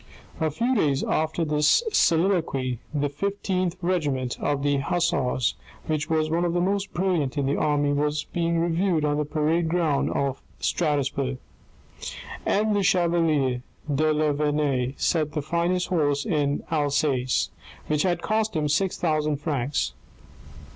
A few days after this soliloquy the Fifteenth Regiment of Hussars, which was one of the most brilliant in the army, was being reviewed on the parade ground of Strasbourg. M. the chevalier de La Vernaye sat the finest horse in Alsace, which had cost him six thousand francs.